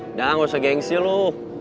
udah gausah gengsi lo